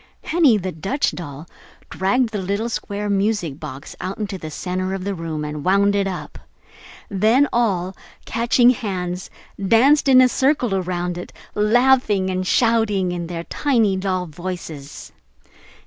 Henny, the Dutch doll, dragged the little square music box out into the center of the room and wound it up. Then all, catching hands, danced in a circle around it, laughing and shouting in their tiny doll voices.